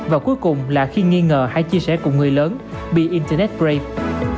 và cuối cùng là khi nghi ngờ hãy chia sẻ cùng người lớn be internet brave